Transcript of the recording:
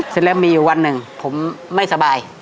เสร็จแล้วมีอยู่วันหนึ่งผมไม่สบาย